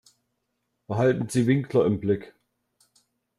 Behalten Sie Winkler im Blick.